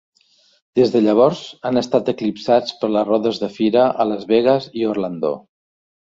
Des de llavors han estat eclipsats per les rodes de fira a Las Vegas i a Orlando.